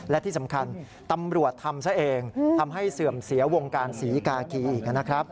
และที่สำคัญตำรวจทำซะเองทำให้เสื่อมเสียวงการศรีกากีอีกนะครับ